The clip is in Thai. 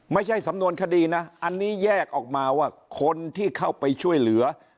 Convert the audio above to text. ไม่ใช่สำนวนคดีนะอันนี้แยกออกมาว่าคนที่เข้าไปช่วยเหลือ